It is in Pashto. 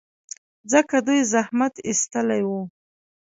ځکه دوی زحمت ایستلی و.